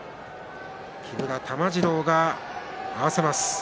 木村玉治郎が合わせます。